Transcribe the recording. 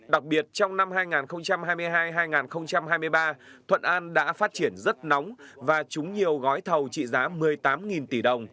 đặc biệt trong năm hai nghìn hai mươi hai hai nghìn hai mươi ba thuận an đã phát triển rất nóng và trúng nhiều gói thầu trị giá một mươi tám tỷ đồng